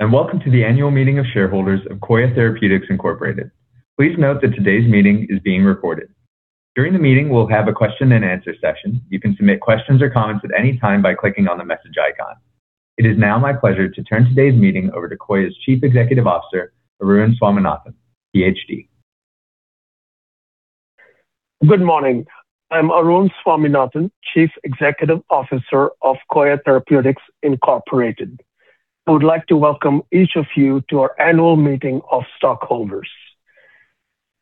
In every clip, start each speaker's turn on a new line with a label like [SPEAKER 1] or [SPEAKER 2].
[SPEAKER 1] Hello. Welcome to the annual meeting of shareholders of Coya Therapeutics, Inc. Please note that today's meeting is being recorded. During the meeting, we'll have a question-and-answer session. You can submit questions or comments at any time by clicking on the message icon. It is now my pleasure to turn today's meeting over to Coya's Chief Executive Officer, Arun Swaminathan, PhD.
[SPEAKER 2] Good morning. I'm Arun Swaminathan, Chief Executive Officer of Coya Therapeutics, Inc. I would like to welcome each of you to our annual meeting of stockholders.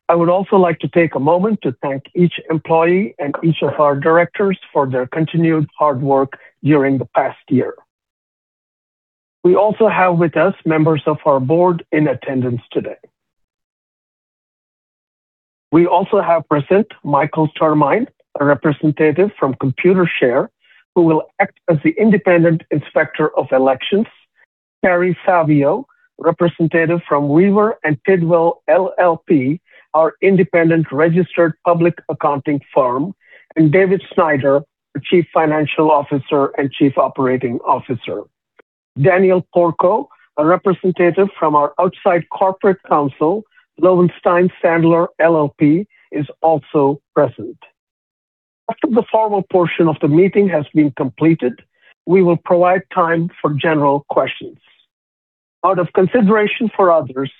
[SPEAKER 2] I would also like to take a moment to thank each employee and each of our directors for their continued hard work during the past year. We also have with us members of our board in attendance today. We also have present Michael Termine, a representative from Computershare, who will act as the independent inspector of elections, Carey Savio, representative from Weaver and Tidwell, L.L.P., our independent registered public accounting firm, and David Snyder, the Chief Financial Officer and Chief Operating Officer. Daniel C. Porco, a representative from our outside corporate counsel, Lowenstein Sandler LLP, is also present. After the formal portion of the meeting has been completed, we will provide time for general questions. Out of consideration for others,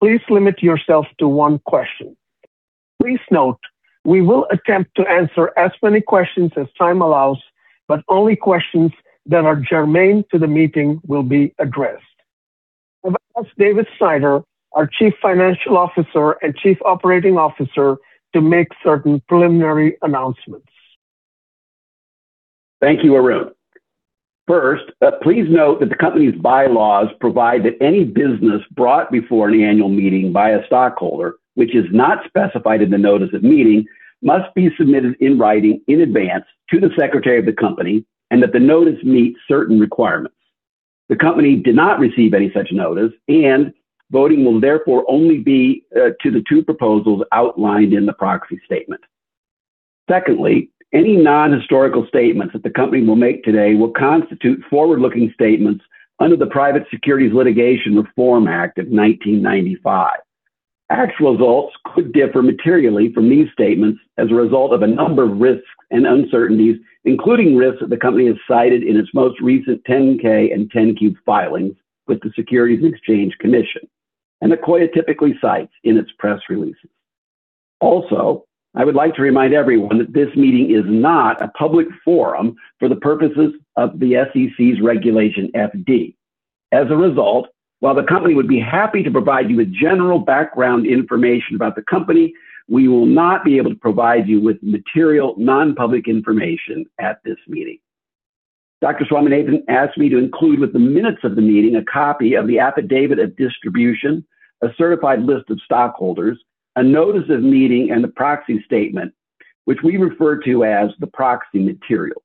[SPEAKER 2] please limit yourself to one question. Please note, we will attempt to answer as many questions as time allows, but only questions that are germane to the meeting will be addressed. I would ask David Snyder, our Chief Financial Officer and Chief Operating Officer, to make certain preliminary announcements.
[SPEAKER 3] Thank you, Arun. First, please note that the company's bylaws provide that any business brought before the annual meeting by a stockholder, which is not specified in the notice of meeting, must be submitted in writing in advance to the secretary of the company, and that the notice meet certain requirements. The company did not receive any such notice, and voting will therefore only be to the two proposals outlined in the proxy statement. Secondly, any non-historical statements that the company will make today will constitute forward-looking statements under the Private Securities Litigation Reform Act of 1995. Actual results could differ materially from these statements as a result of a number of risks and uncertainties, including risks that the company has cited in its most recent 10-K and 10-Q filings with the Securities and Exchange Commission, and that Coya typically cites in its press releases. I would like to remind everyone that this meeting is not a public forum for the purposes of the SEC's Regulation FD. As a result, while the company would be happy to provide you with general background information about the company, we will not be able to provide you with material, non-public information at this meeting. Dr. Swaminathan asked me to include with the minutes of the meeting a copy of the affidavit of distribution, a certified list of stockholders, a notice of meeting, and the proxy statement, which we refer to as the proxy materials.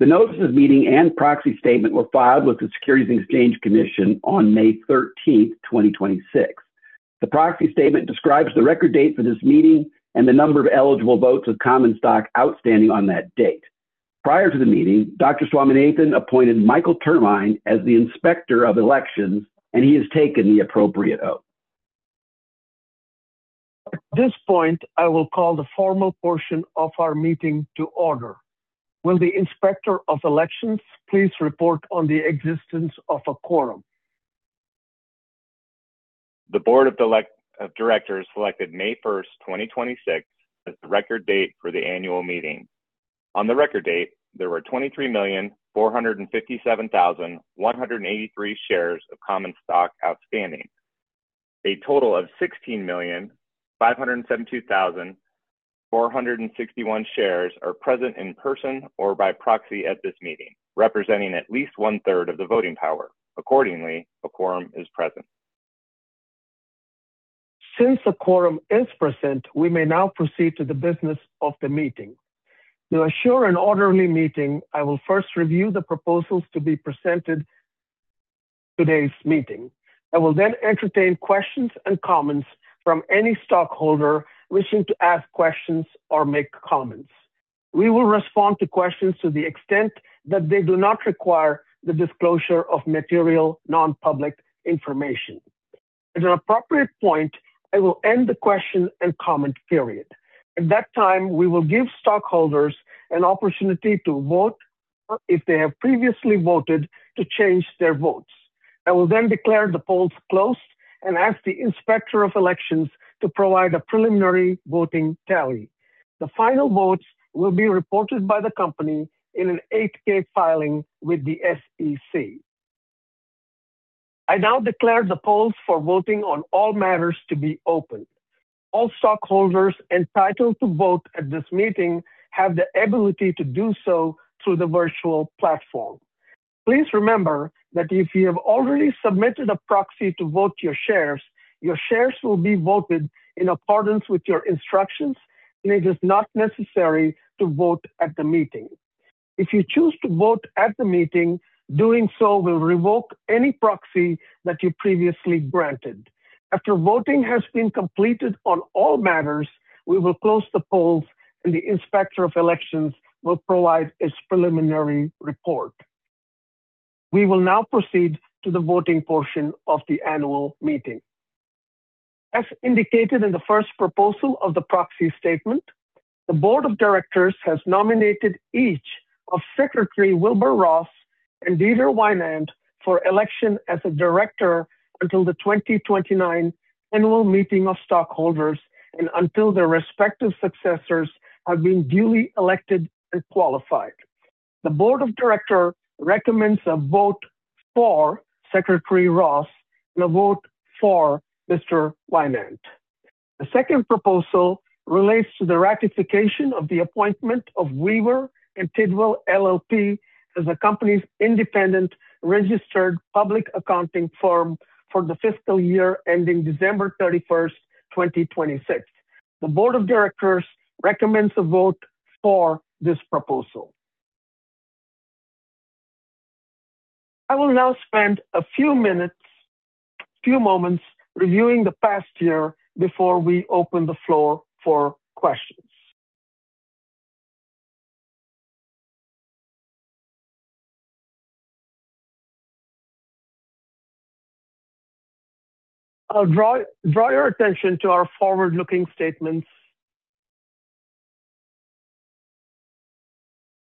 [SPEAKER 3] The notice of meeting and proxy statement were filed with the Securities and Exchange Commission on May 13th, 2026. The proxy statement describes the record date for this meeting and the number of eligible votes of common stock outstanding on that date. Prior to the meeting, Dr. Swaminathan appointed Michael Termine as the inspector of elections, and he has taken the appropriate oath.
[SPEAKER 2] At this point, I will call the formal portion of our meeting to order. Will the Inspector of Elections please report on the existence of a quorum?
[SPEAKER 1] The board of directors selected May 1st, 2026, as the record date for the annual meeting. On the record date, there were 23,457,183 shares of common stock outstanding. A total of 16,572,461 shares are present in person or by proxy at this meeting, representing at least one-third of the voting power. Accordingly, a quorum is present.
[SPEAKER 2] Since a quorum is present, we may now proceed to the business of the meeting. I will first review the proposals to be presented at today's meeting. I will then entertain questions and comments from any stockholder wishing to ask questions or make comments. We will respond to questions to the extent that they do not require the disclosure of material non-public information. At an appropriate point, I will end the question and comment period. At that time, we will give stockholders an opportunity to vote or, if they have previously voted, to change their votes. I will then declare the polls closed and ask the Inspector of Elections to provide a preliminary voting tally. The final votes will be reported by the company in an 8-K filing with the SEC. I now declare the polls for voting on all matters to be open. All stockholders entitled to vote at this meeting have the ability to do so through the virtual platform. Please remember that if you have already submitted a proxy to vote your shares, your shares will be voted in accordance with your instructions, and it is not necessary to vote at the meeting. If you choose to vote at the meeting, doing so will revoke any proxy that you previously granted. After voting has been completed on all matters, we will close the polls, and the Inspector of Elections will provide its preliminary report. We will now proceed to the voting portion of the annual meeting. As indicated in the first proposal of the proxy statement, the board of directors has nominated each of Secretary Wilbur Ross and Dieter Weinand for election as a director until the 2029 annual meeting of stockholders, and until their respective successors have been duly elected and qualified. The board of director recommends a vote for Secretary Ross and a vote for Mr. Weinand. The second proposal relates to the ratification of the appointment of Weaver and Tidwell, L.L.P. as the company's independent registered public accounting firm for the fiscal year ending December 31st, 2026. The board of directors recommends a vote for this proposal. I will now spend a few moments reviewing the past year before we open the floor for questions. I'll draw your attention to our forward-looking statements.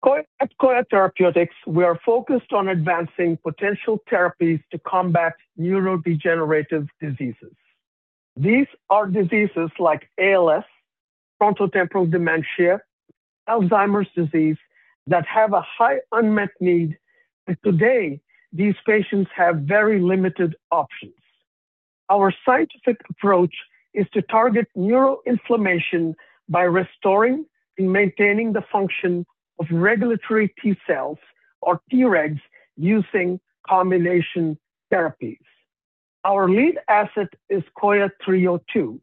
[SPEAKER 2] At Coya Therapeutics, we are focused on advancing potential therapies to combat neurodegenerative diseases. These are diseases like ALS, Frontotemporal Dementia, Alzheimer's disease, that have a high unmet need, and today these patients have very limited options. Our scientific approach is to target neuroinflammation by restoring and maintaining the function of regulatory T cells, or Tregs, using combination therapies. Our lead asset is COYA 302.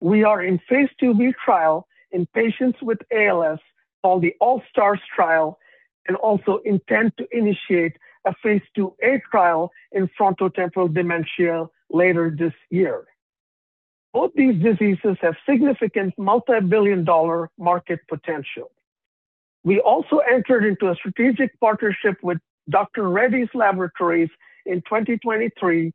[SPEAKER 2] We are in phase IIb trial in patients with ALS, called the ALSTARS trial, and also intend to initiate a phase IIa trial in Frontotemporal Dementia later this year. Both these diseases have significant multibillion-dollar market potential. We also entered into a strategic partnership with Dr. Reddy's Laboratories in 2023,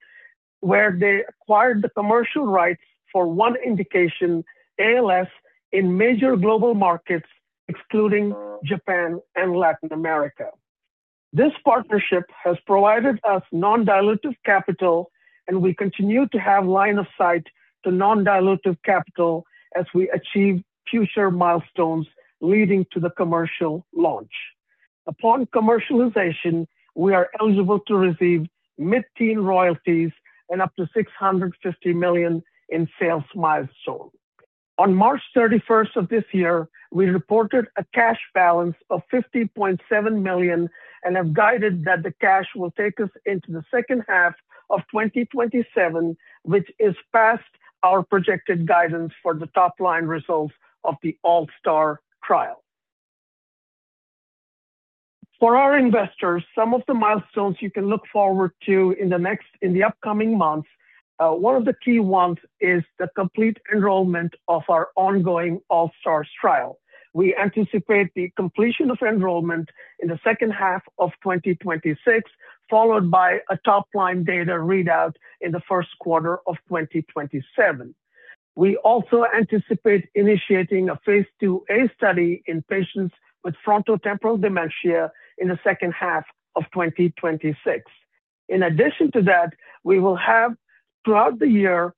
[SPEAKER 2] where they acquired the commercial rights for one indication, ALS, in major global markets, excluding Japan and Latin America. This partnership has provided us non-dilutive capital, and we continue to have line of sight to non-dilutive capital as we achieve future milestones leading to the commercial launch. Upon commercialization, we are eligible to receive mid-teen royalties and up to $650 million in sales milestones. On March 31st of this year, we reported a cash balance of $50.7 million and have guided that the cash will take us into the second half of 2027, which is past our projected guidance for the top-line results of the ALSTARS trial. For our investors, some of the milestones you can look forward to in the upcoming months, one of the key ones is the complete enrollment of our ongoing ALSTARS trial. We anticipate the completion of enrollment in the second half of 2026, followed by a top-line data readout in the first quarter of 2027. We also anticipate initiating a phase IIa study in patients with frontotemporal dementia in the second half of 2026. In addition to that, we will have, throughout the year,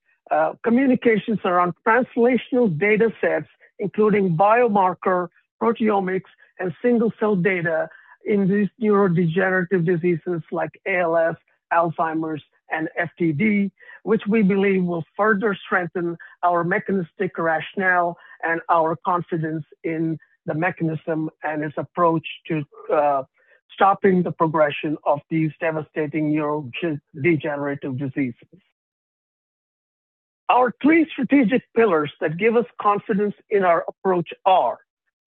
[SPEAKER 2] communications around translational data sets, including biomarker, proteomics, and single-cell data in these neurodegenerative diseases like ALS, Alzheimer's, and FTD, which we believe will further strengthen our mechanistic rationale and our confidence in the mechanism and its approach to stopping the progression of these devastating neurodegenerative diseases. Our three strategic pillars that give us confidence in our approach are,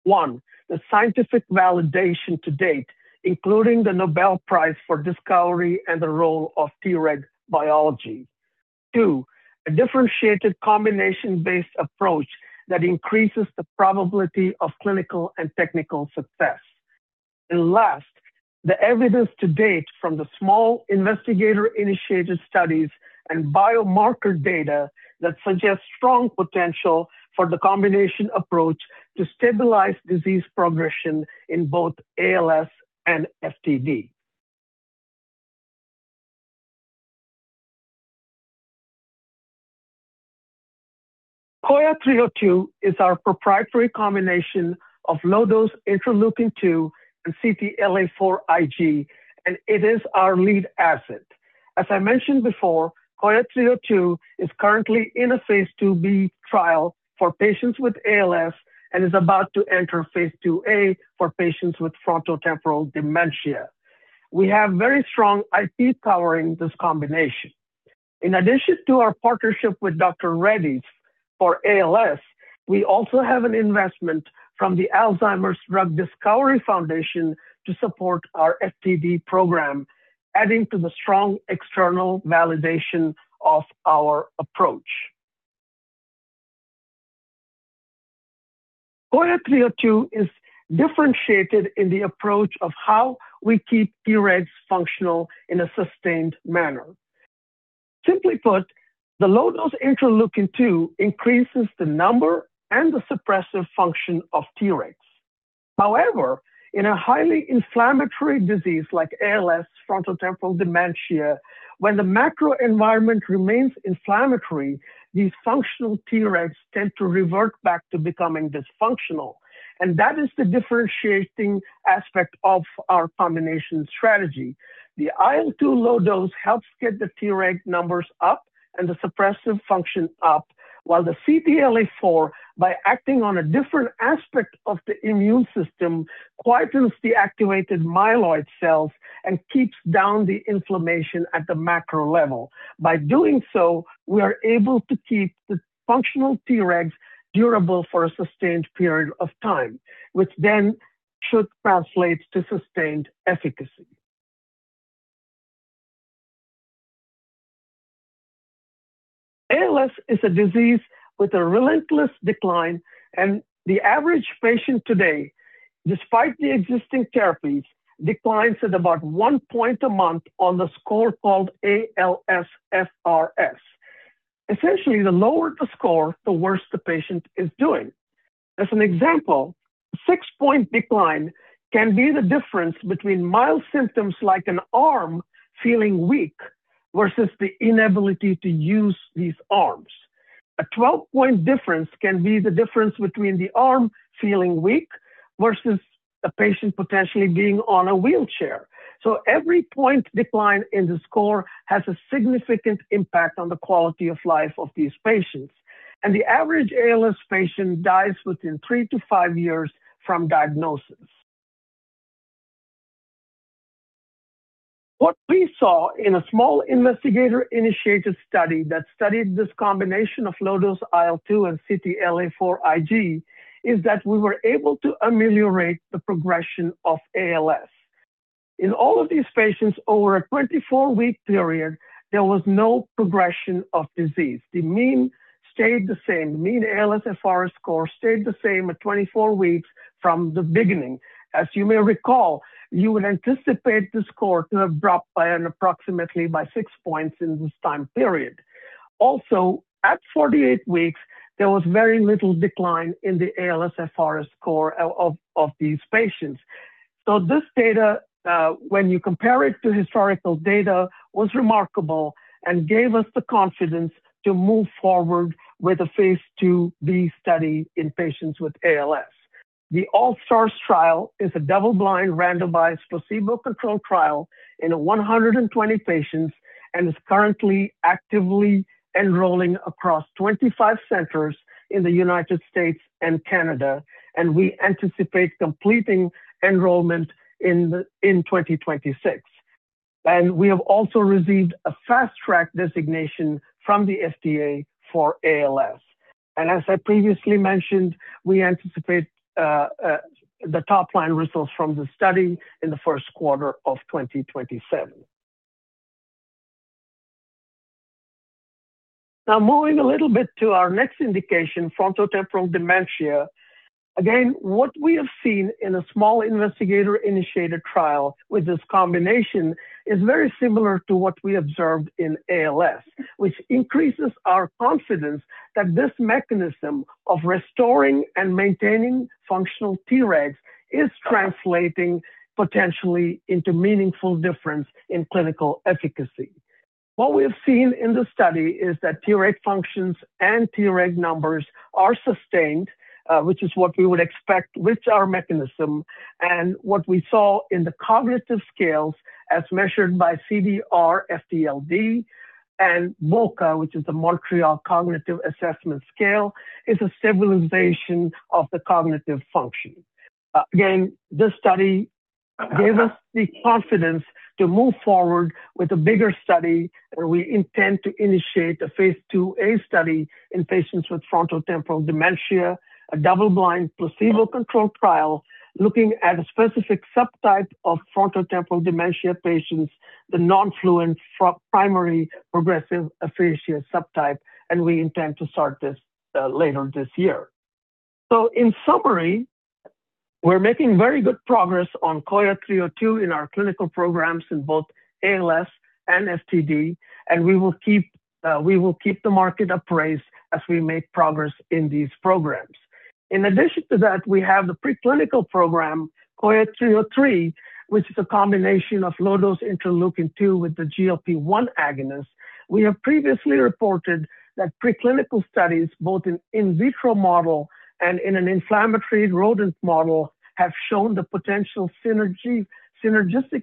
[SPEAKER 2] one, the scientific validation to date, including the Nobel Prize for Discovery and the role of Treg biology. Two, a differentiated combination-based approach that increases the probability of clinical and technical success. Last, the evidence to date from the small investigator-initiated studies and biomarker data that suggests strong potential for the combination approach to stabilize disease progression in both ALS and FTD. COYA 302 is our proprietary combination of low-dose interleukin-2 and CTLA4-Ig, and it is our lead asset. As I mentioned before, COYA 302 is currently in a phase IIb trial for patients with ALS and is about to enter phase IIa for patients with frontotemporal dementia. We have very strong IP covering this combination. In addition to our partnership with Dr. Reddy's for ALS, we also have an investment from the Alzheimer's Drug Discovery Foundation to support our FTD program, adding to the strong external validation of our approach. COYA 302 is differentiated in the approach of how we keep Tregs functional in a sustained manner. Simply put, the low-dose interleukin-2 increases the number and the suppressive function of Tregs. However, in a highly inflammatory disease like ALS, frontotemporal dementia, when the macro environment remains inflammatory, these functional Tregs tend to revert back to becoming dysfunctional, and that is the differentiating aspect of our combination strategy. The IL-2 low dose helps get the Treg numbers up and the suppressive function up, while the CTLA-4, by acting on a different aspect of the immune system, quietens the activated myeloid cells and keeps down the inflammation at the macro level. By doing so, we are able to keep the functional Tregs durable for a sustained period of time, which then should translate to sustained efficacy. ALS is a disease with a relentless decline, and the average patient today, despite the existing therapies, declines at about one point a month on the score called ALSFRS. Essentially, the lower the score, the worse the patient is doing. As an example, a six-point decline can be the difference between mild symptoms like an arm feeling weak versus the inability to use these arms. A 12-point difference can be the difference between the arm feeling weak versus the patient potentially being on a wheelchair. Every point decline in the score has a significant impact on the quality of life of these patients. The average ALS patient dies within three to five years from diagnosis. What we saw in a small investigator-initiated study that studied this combination of low-dose IL-2 and CTLA4-Ig, is that we were able to ameliorate the progression of ALS. In all of these patients over a 24-week period, there was no progression of disease. The mean stayed the same. The mean ALSFRS score stayed the same at 24 weeks from the beginning. As you may recall, you would anticipate the score to have dropped by approximately six points in this time period. Also, at 48 weeks, there was very little decline in the ALSFRS score of these patients. This data, when you compare it to historical data, was remarkable and gave us the confidence to move forward with a phase IIb study in patients with ALS. The ALSTARS trial is a double-blind, randomized, placebo-controlled trial in 120 patients and is currently actively enrolling across 25 centers in the U.S. and Canada, and we anticipate completing enrollment in 2026. We have also received a Fast Track designation from the FDA for ALS. As I previously mentioned, we anticipate the top-line results from the study in the first quarter of 2027. Moving a little bit to our next indication, frontotemporal dementia. What we have seen in a small investigator-initiated trial with this combination is very similar to what we observed in ALS, which increases our confidence that this mechanism of restoring and maintaining functional Tregs is translating potentially into meaningful difference in clinical efficacy. What we have seen in the study is that Treg functions and Treg numbers are sustained, which is what we would expect with our mechanism. What we saw in the cognitive scales, as measured by CDR-FTLD and MoCA, which is the Montreal Cognitive Assessment scale, is a stabilization of the cognitive function. This study gave us the confidence to move forward with a bigger study where we intend to initiate a phase IIa study in patients with frontotemporal dementia, a double-blind, placebo-controlled trial, looking at a specific subtype of frontotemporal dementia patients, the non-fluent, primary progressive aphasia subtype, and we intend to start this later this year. In summary, we're making very good progress on COYA 302 in our clinical programs in both ALS and FTD, and we will keep the market appraised as we make progress in these programs. In addition to that, we have the preclinical program, COYA 303, which is a combination of low-dose interleukin-2 with the GLP-1 agonist. We have previously reported that preclinical studies, both in in vitro model and in an inflammatory rodent model, have shown the potential synergistic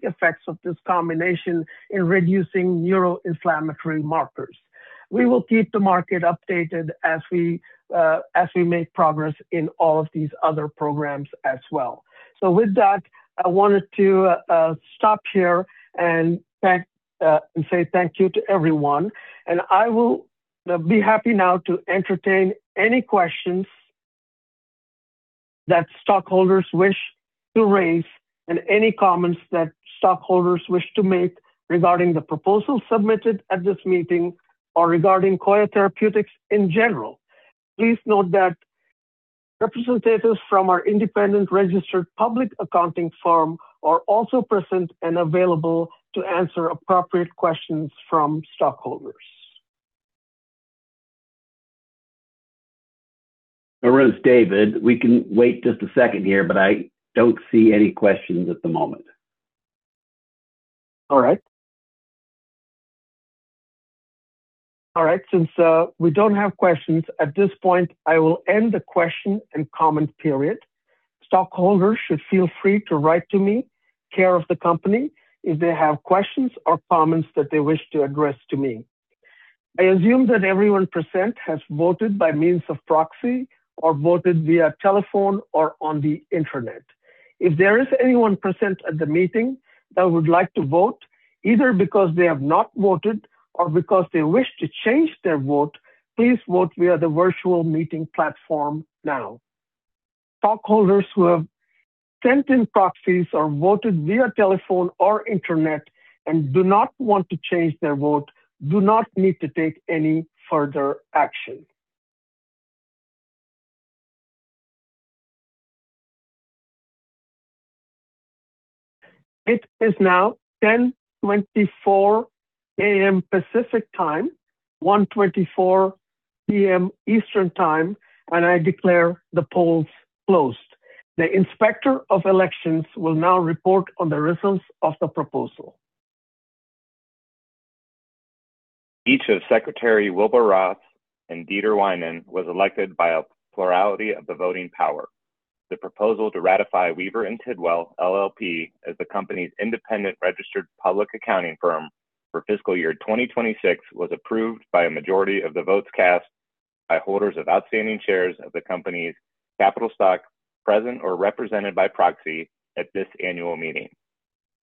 [SPEAKER 2] effects of this combination in reducing neuroinflammatory markers. We will keep the market updated as we make progress in all of these other programs as well. With that, I wanted to stop here and say thank you to everyone. I will be happy now to entertain any questions that stockholders wish to raise and any comments that stockholders wish to make regarding the proposal submitted at this meeting or regarding Coya Therapeutics in general. Please note that representatives from our independent registered public accounting firm are also present and available to answer appropriate questions from stockholders.
[SPEAKER 3] This is David. We can wait just a second here, I don't see any questions at the moment.
[SPEAKER 2] All right. All right. Since we don't have questions at this point, I will end the question and comment period. Stockholders should feel free to write to me, care of the company, if they have questions or comments that they wish to address to me. I assume that everyone present has voted by means of proxy or voted via telephone or on the internet. If there is anyone present at the meeting that would like to vote, either because they have not voted or because they wish to change their vote, please vote via the virtual meeting platform now. Stockholders who have sent in proxies or voted via telephone or internet and do not want to change their vote do not need to take any further action. It is now 10:24 A.M. Pacific Time, 1:24 P.M. Eastern Time, I declare the polls closed. The Inspector of Elections will now report on the results of the proposal.
[SPEAKER 1] Each of Secretary Wilbur Ross and Dieter Weinand was elected by a plurality of the voting power. The proposal to ratify Weaver and Tidwell, L.L.P. as the company's independent registered public accounting firm for fiscal year 2026 was approved by a majority of the votes cast by holders of outstanding shares of the company's capital stock, present or represented by proxy at this annual meeting.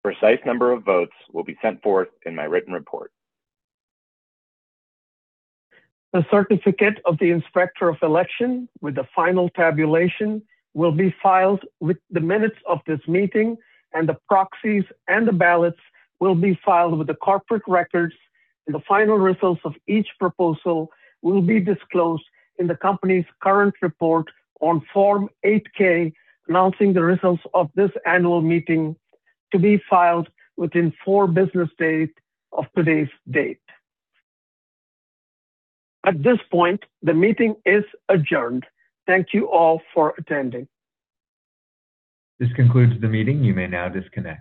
[SPEAKER 1] Precise number of votes will be sent forth in my written report.
[SPEAKER 2] The certificate of the Inspector of Election with the final tabulation will be filed with the minutes of this meeting. The proxies and the ballots will be filed with the corporate records. The final results of each proposal will be disclosed in the company's current report on Form 8-K, announcing the results of this annual meeting to be filed within four business days of today's date. At this point, the meeting is adjourned. Thank you all for attending.
[SPEAKER 1] This concludes the meeting. You may now disconnect.